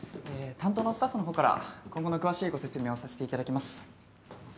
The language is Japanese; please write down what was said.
担当のスタッフの方から今後の詳しいご説明をさせていただきます。